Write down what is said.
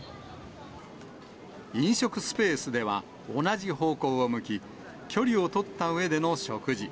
飲食スペースでは同じ方向を向き、距離を取ったうえでの食事。